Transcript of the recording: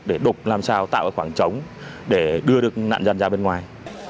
để độc làm sao tạo ra khoảng trống để đưa được nạn nhân ra bên ngoài